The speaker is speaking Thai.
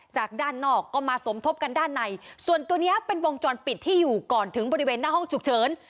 จากด้านนอกก็มาสมทบกันด้านในส่วนตัวเนี้ยเป็นวงจรปิดที่อยู่ก่อนถึงบริเวณหน้าห้องฉุกเฉิน